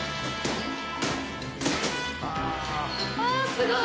すごい！